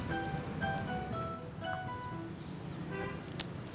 tidak ada yang bisa dihukum